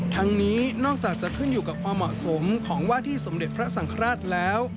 ทั้งนี้นอกจากจะขึ้นอยู่กับความเหมาะสมของว่าที่สมเด็จพระสังฆราชแล้ว